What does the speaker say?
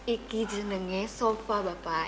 ini jenengnya sofa bapak